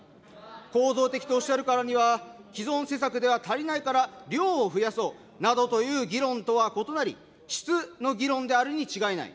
構造的とおっしゃるからには、既存施策では足りないから量を増やそうなどという議論とは異なり、質の議論であるに違いない。